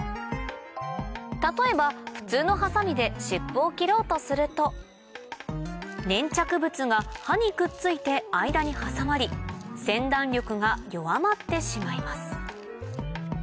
例えば普通のハサミで湿布を切ろうとすると粘着物が刃にくっついて間に挟まりせん断力が弱まってしまいます